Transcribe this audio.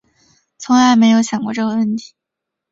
从来没有想过这个问题